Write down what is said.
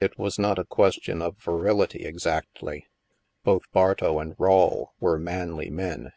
It was not a question of virility, ex actly; both Bartow and Rawle were manly men.